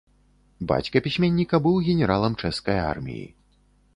Бацька пісьменніка быў генералам чэшскай арміі.